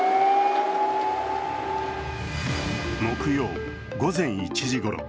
木曜、午前１時ごろ